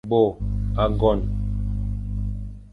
Bo âgon.